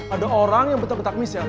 ada orang yang bentar bentak miss ya